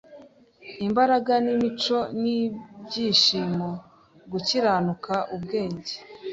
'imbaraga n'imico nk'ibyishimo, gukiranuka, ubwenge